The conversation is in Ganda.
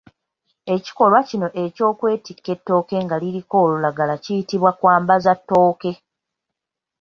Ekikolwa kino eky'okwetikka ettooke nga liriko olulagala kiyitibwa kwambaza ttooke.